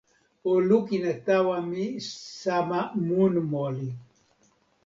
o lukin e tawa mi sama mun moli.